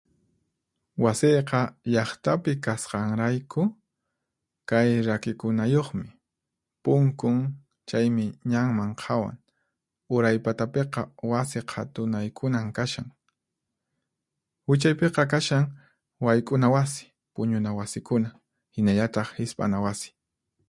Wasiyqa llaqtapi kasqanrayku, kay rakikunayuqmi: punkun, chaymi ñanman qhawan. Uray patapiqa wasi qhatunaykunan kashan. Wichaypiqa kashan wayk'una wasi, puñuna wasikuna, hinallataq hisp'ana wasi.